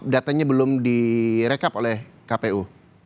datanya belum direkap oleh kpu